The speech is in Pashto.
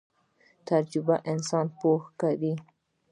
تجربه انسان پوه کوي